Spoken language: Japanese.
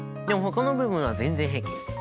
でもほかの部分は全然平気。